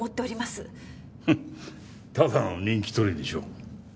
フッただの人気取りでしょう？